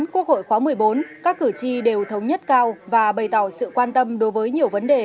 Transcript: quốc hội khóa một mươi bốn các cử tri đều thống nhất cao và bày tỏ sự quan tâm đối với nhiều vấn đề